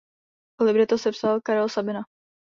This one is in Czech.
Libreto sepsal Karel Sabina.